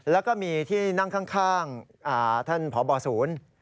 แล้วก็มีที่นั่งข้างท่านพบศูนย์